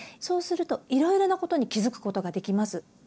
そうするといろいろなことに気付くことができます。